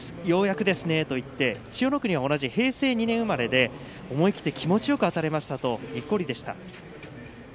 ようやくですねと言って千代の国は同じ平成２年生まれで思い切って気持ちよくあたれましたと、にっこりでした。